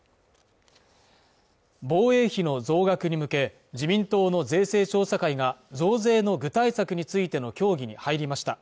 防衛費の増額に向け自民党の税制調査会が増税の具体策についての協議に入りました